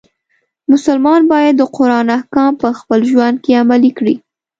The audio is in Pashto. مسلمان باید د قرآن احکام په خپل ژوند کې عملی کړي.